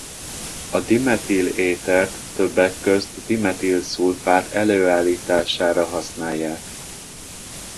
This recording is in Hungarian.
A dimetil-étert többek között dimetil-szulfát előállítására használják.